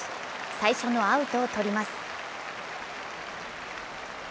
最初のアウトをとります。